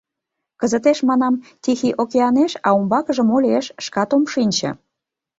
— Кызытеш, — манам, — Тихий океанеш, а умбакыже мо лиеш, шкат ом шинче...